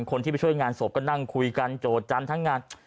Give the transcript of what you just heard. คนที่ไปช่วยงานศพก็นั่งคุยกันโจทย์จันทร์ทั้งงาน